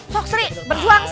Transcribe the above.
sok sri berjuang sri